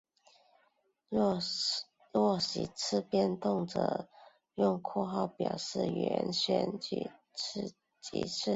若席次变动则用括号表示原选举席次。